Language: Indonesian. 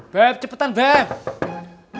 beb cepetan bebe